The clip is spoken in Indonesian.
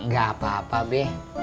gak apa apa be